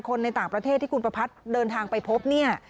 คนในต่างประเทศที่คุณประพัทธ์เดินทางไปพบ